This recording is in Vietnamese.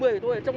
bạn có biết không